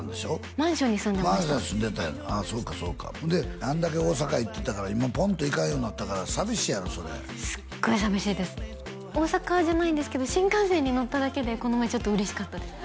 マンションに住んでましたマンションに住んでたんやああそうかそうかほんであんだけ大阪行ってたから今ポンと行かんようになったから寂しいやろそれすっごい寂しいです大阪じゃないんですけど新幹線に乗っただけでこの前ちょっと嬉しかったです